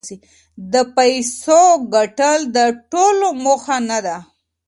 د پیسو ګټل د ټولو موخه نه ده.